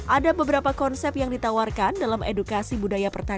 ada beberapa konsep yang ditawarkan dalam edukasi budaya pertanian